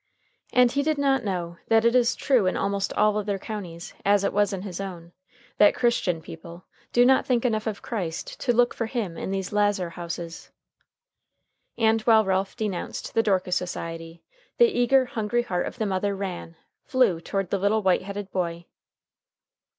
And he did not know that it is true in almost all other counties, as it was in his own, that "Christian" people do not think enough of Christ to look for him in these lazar houses. And while Ralph denounced the Dorcas Society, the eager, hungry heart of the mother ran, flew toward the little white headed boy.